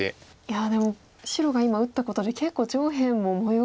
いやでも白が今打ったことで結構上辺も模様が。